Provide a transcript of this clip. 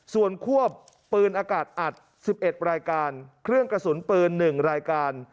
ส่วนควบปืนอากาศอัด๑๑รายการเครื่องกระสุนปืน๑รายการ